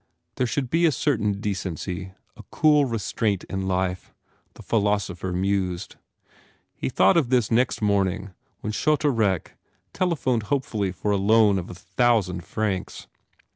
There should be a certain decency, a cool 113 THE FAIR REWARDS restraint in life, the philosopher mused. He thought of this next morning when Choute Aurec telephoned hopefully for a loan of a thousand francs.